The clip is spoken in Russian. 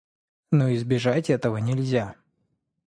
Но избежать этого нельзя.